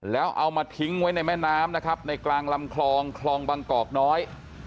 แล้วเอามาทิ้งไว้ในแม่น้ำนะครับในกลางลำคลองคลองบางกอกน้อย